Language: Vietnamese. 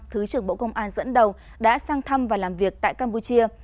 thứ trưởng bộ công an dẫn đầu đã sang thăm và làm việc tại campuchia